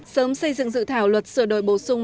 sớm xây dựng dự thảo luật sửa đổi bổ sung